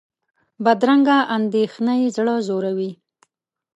بدرنګه اندېښنې زړه ځوروي